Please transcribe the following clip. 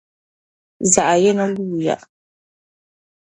Zaɣ' yini guuya.